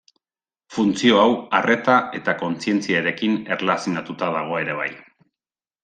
Funtzio hau arreta eta kontzientziarekin erlazionatuta dago ere bai.